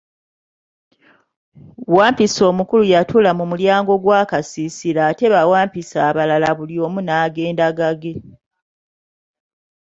Wampisi omukulu yatuula mu mulyango gw'akasiisira ate bawampisi abalala buli omu n'agenda gage.